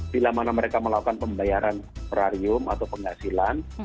bila mana mereka melakukan pembayaran operarium atau penghasilan